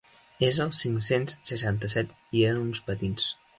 És el cinc-cents seixanta-set i eren uns patins.